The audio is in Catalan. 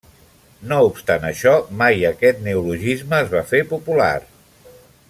No obstant això, mai aquest neologisme es va fer popular.